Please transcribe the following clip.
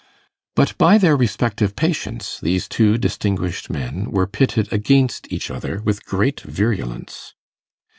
But by their respective patients these two distinguished men were pitted against each other with great virulence.